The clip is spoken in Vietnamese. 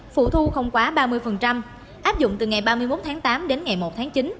phụ thu không quá ba mươi áp dụng từ ngày ba mươi một tháng tám đến ngày một tháng chín